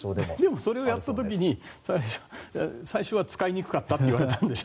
でもそれをやった時に最初は使いにくかったって言われたんでしょ？